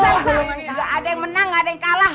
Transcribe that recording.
gak ada yang menang gak ada yang kalah